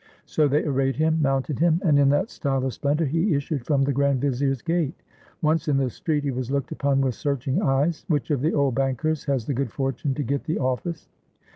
So they arrayed him, mounted him, and in that style of splendor he issued from the grand vizier's gate. Once in the street, he was looked upon with searching eyes. Which of the old bankers has the good fortune to get the office?